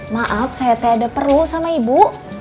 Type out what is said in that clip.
maaf saya tidak ada perlu sama ibu